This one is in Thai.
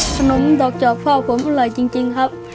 ขนมดอกจอกพ่อผมอร่อยจริงครับ